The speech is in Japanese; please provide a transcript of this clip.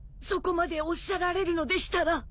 そこまでおっしゃられるのでしたら。